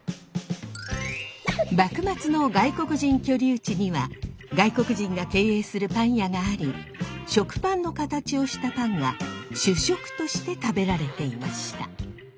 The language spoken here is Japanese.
幕末の外国人居留地には外国人が経営するパン屋があり食パンの形をしたパンが主食として食べられていました。